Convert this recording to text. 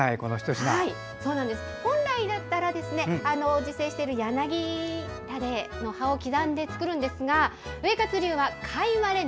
本来だったら自生しているヤナギタデの葉を刻んで作るんですがウエカツ流は貝割れ菜。